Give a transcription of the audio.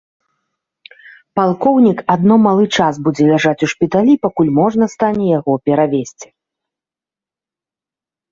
Палкоўнік адно малы час будзе ляжаць у шпіталі, пакуль можна стане яго перавезці.